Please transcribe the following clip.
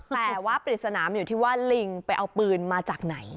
แต่ว่าปริศนาอยู่ที่ว่าลิงไปเอาปืนมาจากไหน